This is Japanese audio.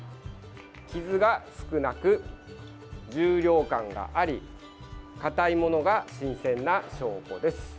傷が少なく、重量感がありかたいものが新鮮な証拠です。